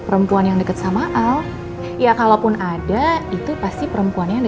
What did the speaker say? pertanyaan ketiga apa trauma al punya